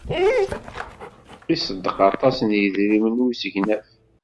Iṣeddeq aṭas n yidrimen i usegnaf.